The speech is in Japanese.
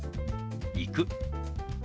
「行く」。